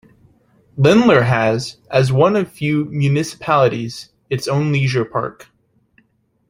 Lindlar has, as one of few municipalities, its own leisure park.